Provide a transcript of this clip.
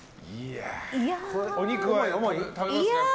お肉は食べますか？